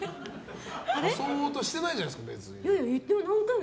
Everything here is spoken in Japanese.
誘おうとしていないじゃないですか、別に。